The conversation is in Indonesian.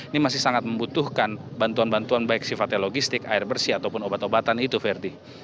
ini masih sangat membutuhkan bantuan bantuan baik sifatnya logistik air bersih ataupun obat obatan itu ferdi